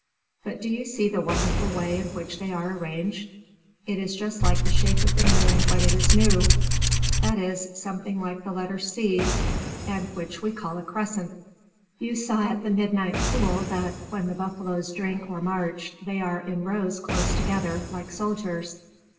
But do you see the wonderful way in which they are arranged? It is just like the shape of the moon when it is new, that is, something like the letter C, and which we call a crescent. You saw at the midnight pool that, when the buffaloes drink or march, they are in rows close together, like soldiers.